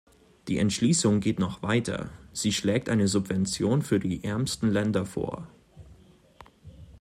Die Entschließung geht noch weiter sie schlägt eine Subventionen für die ärmsten Länder vor.